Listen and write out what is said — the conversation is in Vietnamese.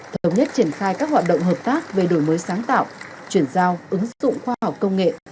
thống nhất triển khai các hoạt động hợp tác về đổi mới sáng tạo chuyển giao ứng dụng khoa học công nghệ